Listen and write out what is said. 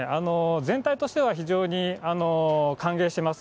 全体としては非常に歓迎しています。